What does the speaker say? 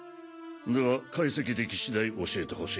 では解析出来次第教えてほしい。